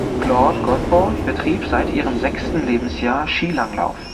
Claude Godbout betrieb seit ihrem sechsten Lebensjahr Skilanglauf.